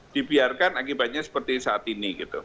dibiarkan akibatnya seperti saat ini